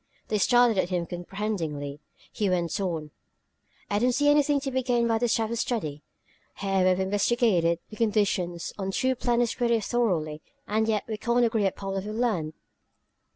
They stared at him uncomprehendingly; he went on: "I don't see anything to be gained by this type of study. Here we've investigated the conditions on two planets pretty thoroughly, and yet we can't agree upon what we've learned!